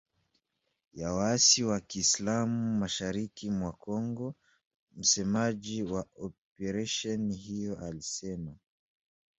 Ya waasi wa kiislam mashariki mwa Kongo msemaji wa operesheni hiyo alisema.